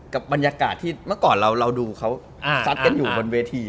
กับบรรยากาศที่เมื่อก่อนเราดูเขาซัดกันอยู่บนเวที